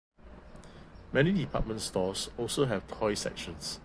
Many department stores also have toy sections.